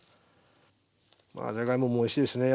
じゃがいももおいしいですね。